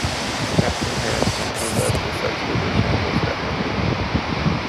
Captain Harrison who led this expedition was decorated.